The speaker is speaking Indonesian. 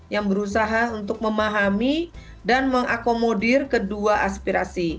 yang berusaha untuk memahami dan mengakomodir kedua aspirasi